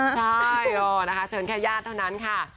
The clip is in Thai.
ใช่รอนะคะเชิญแค่ญาติเท่านั้นค่ะ